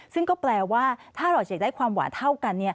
ซึ่งก็แปลว่าถ้าเราจะได้ความหวานเท่ากัน